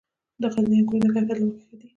د غزني انګور د کیفیت له مخې ښه دي.